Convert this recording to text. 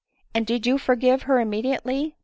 173 " And did you forgive her immediately ?"